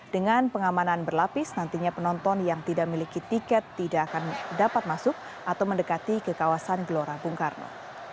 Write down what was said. dengan pengamanan berlapis nantinya penonton yang tidak memiliki tiket tidak akan dapat masuk atau mendekati ke kawasan gelora bung karno